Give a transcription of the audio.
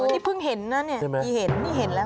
นี่เพิ่งเห็นน่ะเนี่ยอีเห็นแล้ว